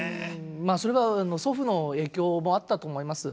まあそれは祖父の影響もあったと思います。